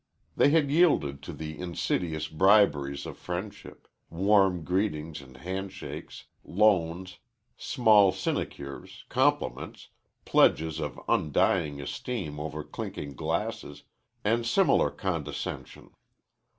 They had yielded to the insidious briberies of friendship warm greetings and handshakes, loans, small sinecures, compliments, pledges of undying esteem over clinking glasses, and similar condescension.